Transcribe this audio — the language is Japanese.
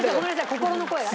心の声が。